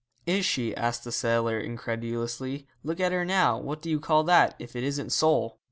'Is she?' asked the sailor, incredulously, 'Look at her now. What do you call that, if it isn't soul?'